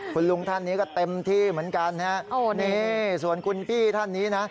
คุณลุงท่านนี้ก็เต็มที่เหมือนกันนะฮะนี่ส่วนคุณพี่ท่านนี้นะ